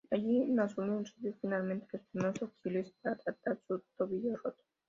Allí, Nasution recibió finalmente los primeros auxilios para tratar su tobillo roto.